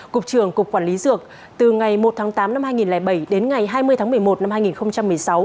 cục trưởng cục quản lý dược từ ngày một tháng tám năm hai nghìn bảy đến ngày hai mươi tháng một mươi một năm hai nghìn một mươi sáu